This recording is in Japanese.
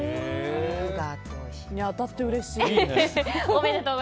当たってうれしい。